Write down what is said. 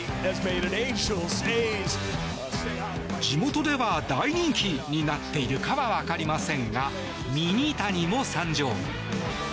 地元では大人気になっているかはわかりませんがミニ谷も参上。